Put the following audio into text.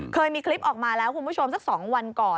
เคยมีคลิปออกมาแล้วคุณผู้ชมสัก๒วันก่อน